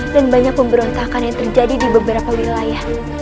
dan banyak pemberontakan yang terjadi di beberapa wilayah